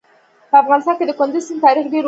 په افغانستان کې د کندز سیند تاریخ ډېر اوږد دی.